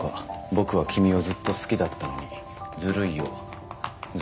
「僕は君をずっと好きだったのにズルいよズルい」